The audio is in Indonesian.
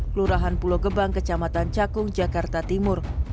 kelurahan pulau gebang kecamatan cakung jakarta timur